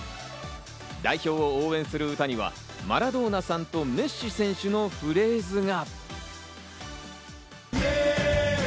代表を応援する歌にはマラドーナさんとメッシ選手のフレーズが。